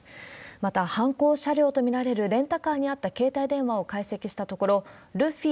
また、犯行車両と見られるレンタカーにあった携帯電話を解析したところ、ルフィ、